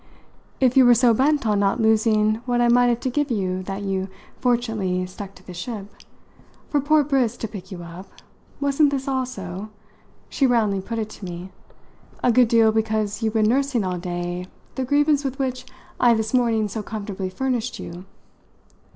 "If you were so bent on not losing what I might have to give you that you fortunately stuck to the ship, for poor Briss to pick you up, wasn't this also" she roundly put it to me "a good deal because you've been nursing all day the grievance with which I this morning so comfortably furnished you?"